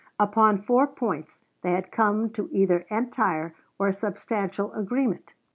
Upon four points they had come to either entire or substantial agreement.